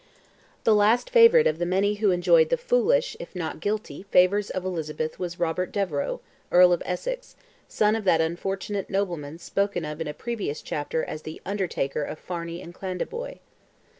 The last favourite of the many who enjoyed the foolish, if not guilty, favours of Elizabeth was Robert Devereux, Earl of Essex, son of that unfortunate nobleman spoken of in a previous chapter as the "undertaker" of Farney and Clandeboy.